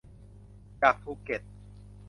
จากภูเก็ต